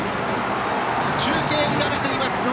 中継乱れています。